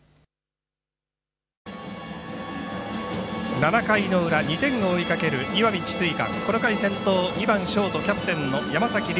７回の裏２点を追いかける石見智翠館、この回、先頭２番ショート、キャプテンの山崎凌